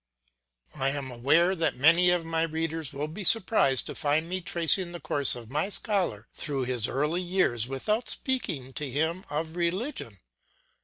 I am aware that many of my readers will be surprised to find me tracing the course of my scholar through his early years without speaking to him of religion.